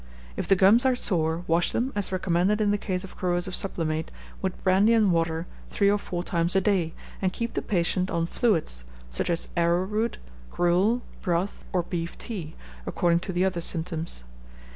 If the gums are sore, wash them, as recommended in the case of corrosive sublimate, with brandy and water three or four times a day, and keep the patient on fluids, such as arrowroot, gruel, broth, or beef tea, according to the other symptoms.